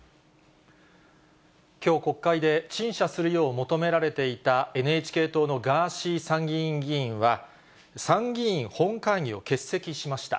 きょう、国会で陳謝するよう求められていたＮＨＫ党のガーシー参議院議員は、参議院本会議を欠席しました。